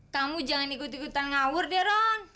kamu jangan ikut ikutan ngawur deron